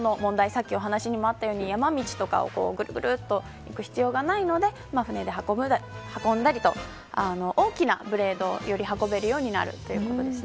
さっきもお話にあったように山道とかをぐるぐるといく必要がないので船で運んだりと大きなブレードをより運べるようになるということです。